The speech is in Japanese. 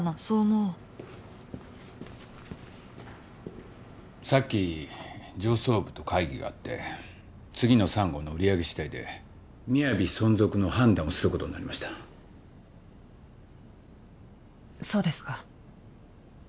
そう思おうさっき上層部と会議があって次の３号の売り上げ次第で「ＭＩＹＡＶＩ」存続の判断をすることになりましたそうですか